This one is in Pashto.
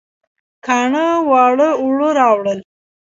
کاڼه واړه اوړه راوړل